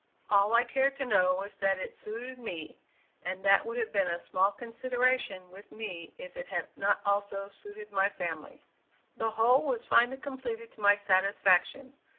All I cared to know was that it suited me, and that would have been a small consideration with me if it had not also suited my family. The whole was finally completed to my satisfaction.